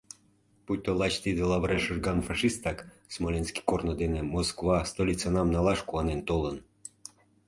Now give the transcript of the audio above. Пуйто лач тиде лавыра шӱрган фашистак Смоленский корно дене Москва столицынам налаш куанен толын.